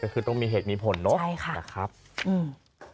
คือต้องมีเหตุมีผลเนอะนะครับอืม